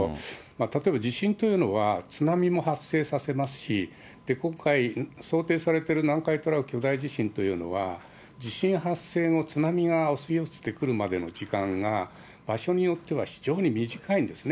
例えば、地震というのは、津波も発生させますし、今回、想定されてる南海トラフ巨大地震というのは、地震発生の津波が押し寄せてくるまでの時間が場所によっては、非常に短いんですね。